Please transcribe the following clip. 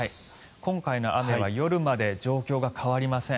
今回の雨は夜まで状況が変わりません。